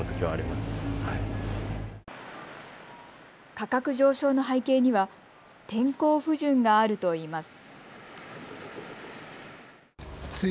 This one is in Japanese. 価格上昇の背景には天候不順があるといいます。